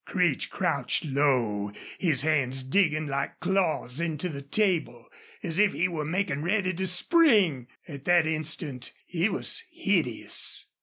Creech crouched low, his hands digging like claws into the table, as if he were making ready to spring. At that instant he was hideous.